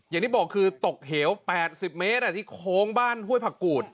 อย่างที่บอกคือตกเหว๘๐เมตรที่โค้งบ้านห้วยผักกูด